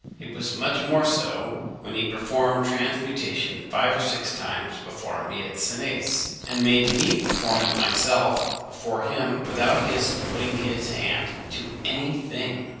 It was much more so when he performed transmutation five or six times before me at Senés, and made me perform it myself before him without his putting his hand to any thing.